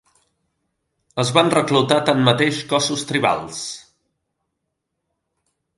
Es van reclutar tanmateix cossos tribals.